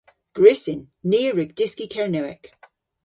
Gwrussyn. Ni a wrug dyski Kernewek.